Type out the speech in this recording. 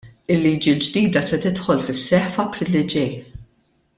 Il-liġi l-ġdida se tidħol fis-seħħ f'April li ġej.